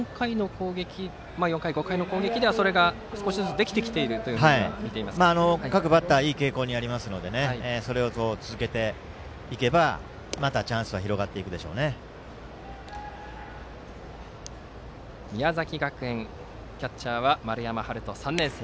４回、５回の攻撃ではそれが少しずつできてきていると各バッターいい傾向にあるのでそれを続けていけばまたチャンスは宮崎学園のキャッチャーは丸山遥音、３年生。